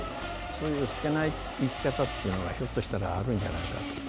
そういう捨てない生き方がひょっとしたらあるんじゃないか。